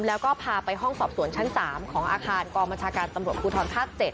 แล้วก็พาไปห้องสอบสวนชั้น๓ของอาคารกองบัญชาการตำรวจภูทรภาค๗